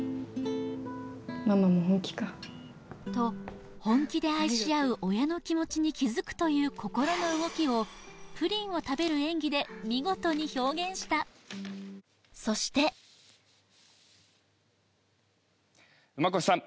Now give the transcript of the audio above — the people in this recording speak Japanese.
ママも本気かと本気で愛し合う親の気持ちに気づくという心の動きをプリンを食べる演技で見事に表現したそして馬越さん